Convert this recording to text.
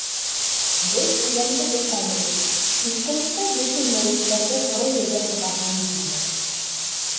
Беҙ иҙәнде быса бирҙек, кискелеккә бөтөн мәйеттәрҙе ҡоро ергә сығарғайныҡ инде.